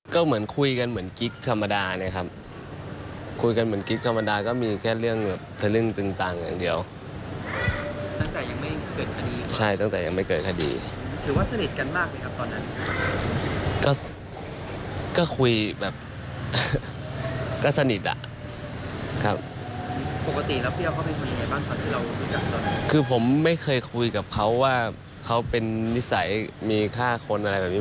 คือผมไม่เคยคุยกับเขาว่าเขาเป็นนิสัยมีค่าคนอะไรแบบนี้